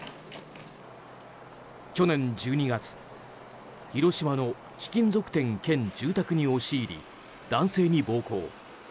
去年１２月広島の貴金属店兼住宅に押し入り男性に暴行。